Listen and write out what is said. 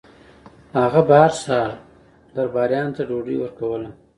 هغه به هر سهار درباریانو ته ډوډۍ ورکوله.